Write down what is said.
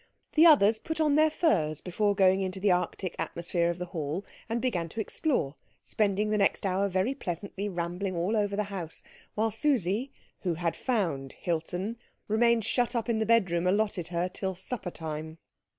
The others put on their furs before going into the Arctic atmosphere of the hall, and began to explore, spending the next hour very pleasantly rambling all over the house, while Susie, who had found Hilton, remained shut up in the bedroom allotted her till supper time.